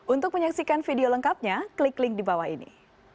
untuk menyaksikan video lengkapnya klik link di bawah ini